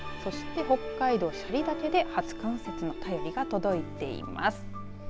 北海道斜里岳で初冠雪の便りが届いています。